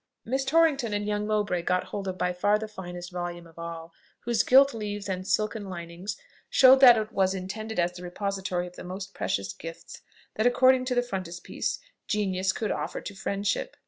Miss Torrington and young Mowbray got hold of by far the finest volume of all, whose gilt leaves and silken linings showed that it was intended as the repository of the most precious gifts, that, according to the frontispiece, Genius could offer to Friendship.